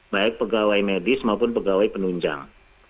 baik pegawai medis maupun pegawai penunjang